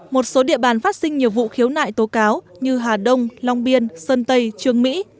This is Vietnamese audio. một số địa bàn phát sinh nhiều vụ khiếu nại tố cáo như hà đông long biên sơn tây trương mỹ